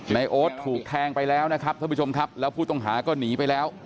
โอ๊ตถูกแทงไปแล้วนะครับท่านผู้ชมครับแล้วผู้ต้องหาก็หนีไปแล้ว